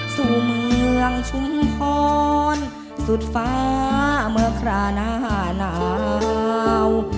สู่เมืองชุมพรสุดฟ้าเมื่อคราหน้าหนาว